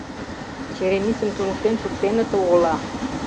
Черемисым туныктен шуктеныт огыла.